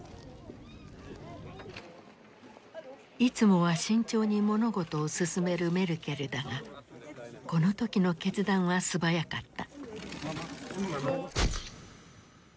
いつもは慎重に物事を進めるメルケルだがこの時の決断は素早かった。